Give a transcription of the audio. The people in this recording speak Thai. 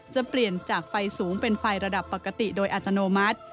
จะเปลี่ยนจากไฟสูงเป็นไฟระดับปกติโดยอัตโนมัติ